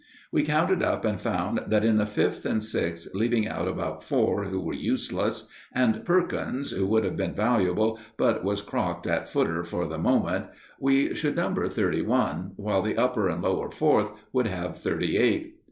We counted up and found that in the Fifth and Sixth, leaving out about four who were useless, and Perkins, who would have been valuable, but was crocked at footer for the moment, we should number thirty one, while the Upper and Lower Fourth would have thirty eight.